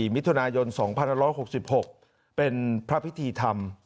มิถุนายน๒๑๖๖เป็นพระพิธีธรรม